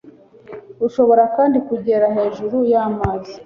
Ushobora kandi kogera hejuru y'amazi